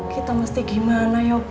kita mesti gimana ya